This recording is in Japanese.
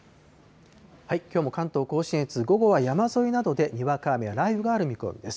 きょうも関東甲信越、午後は山沿いなどで、にわか雨や雷雨がある見込みです。